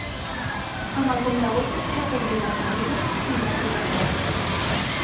Amb el comptagotes recobrir la ferida i les seves vores.